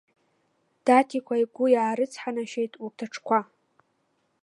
Даҭикәа игәы иаарыцҳанашьеит урҭ аҽқәа.